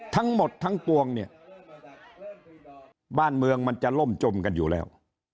ทั้งหมดทั้งปวงเนี่ยบ้านเมืองมันจะล่มจมกันอยู่แล้ว